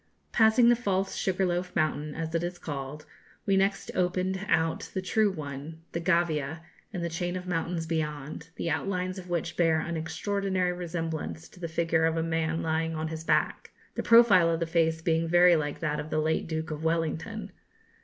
Passing the false Sugarloaf mountain, as it is called, we next opened out the true one, the Gavia, and the chain of mountains beyond, the outlines of which bear an extraordinary resemblance to the figure of a man lying on his back, the profile of the face being very like that of the late Duke of Wellington.